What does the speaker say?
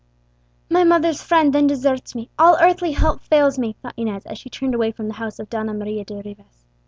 "My mother's friend then deserts me, all earthly help fails me," thought Inez, as she turned away from the house of Donna Maria de Rivas.